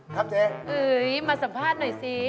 ครับเจ๊มาสัมภาษณ์หน่อยสิ